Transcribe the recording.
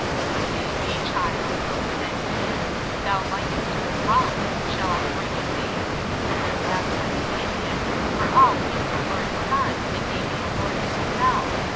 But may be, child, said he, thou likest the rump; shall I bring it thee? And then laughed like an idiot, for all he is a lord's son, and may be a lord himself.